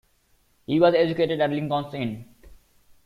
He was educated at Lincoln's Inn.